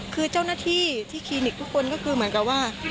คือเจ้าหน้าที่ที่คลินิกทุกคนก็คือเหมือนกับว่า